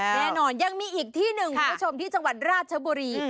ยังมีอีกที่หนึ่งคุณผู้ชมที่จังหวัดราชบุรี